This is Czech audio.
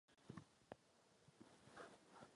Jen se podívejte na zkušenost Polska.